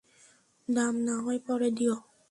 দাম নাহয় পরে দিও।